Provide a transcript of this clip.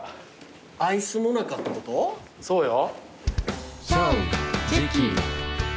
そうよ。